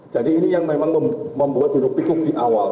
jadi ini yang memang membuat hidup tikuk di awal